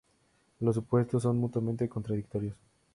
Los supuestos son mutuamente contradictorios.